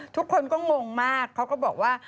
ทุกคนก็งงมากเขาก็บอกว่า